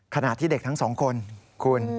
ขณะที่เด็กทั้งสองคนคุณ